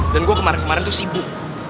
dan gue kemarin kemarin tuh sibuk